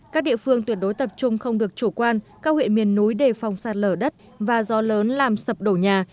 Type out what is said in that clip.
các địa phương tuyệt đối tập trung không được chủ quan cao huyện miền núi đề phong sát lở đất và gió lớn làm sập đổ nhà